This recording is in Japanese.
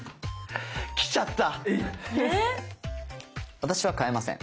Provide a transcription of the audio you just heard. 私は換えません。